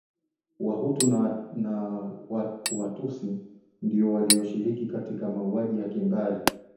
wahutu na watsi ndiyo waliyoshiriki katika mauaji ya kimbari